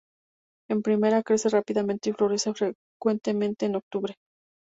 En primavera crece rápidamente y florece frecuentemente en octubre.